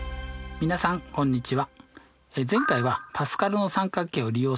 皆さんこんにちは。